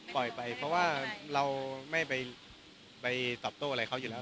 ปล่อยไปเพราะว่าเราไม่ไปตอบโต้อะไรเขาอยู่แล้ว